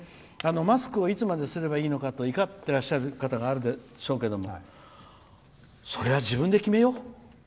マスクをいつまですればいいのかって怒ってらっしゃる方いますけどそれは自分で決めよう。